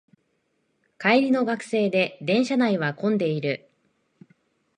帰りの学生で電車内は混んでいる